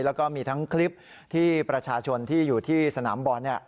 แล้วก็มีทั้งคลิปที่ประชาชนที่อยู่ที่สนามบอล